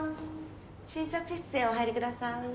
診察室へお入りください。